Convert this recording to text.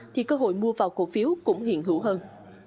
thì cơ hội mua vào cổ phiếu cũng hiện hữu hơn